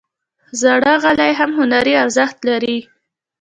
زاړه غالۍ هم هنري ارزښت لري.